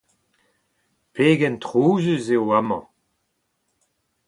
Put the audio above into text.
Pegen trouzus eo amañ !